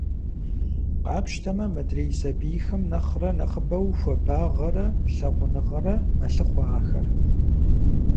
Къапщтэмэ, мыдрей сабийхэм нэхърэ нэхъыбэу хуабагъэрэ лъагъуныгъэрэ мэлъыхъуэ ахэр.